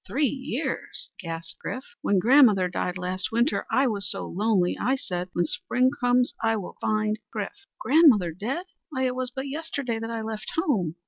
"Three years!" gasped Chrif. "When grandmother died, last winter, I was so lonely, I said, 'When spring comes I will find Chrif.'" "Grandmother dead! Why, it was but yesterday that I left home!"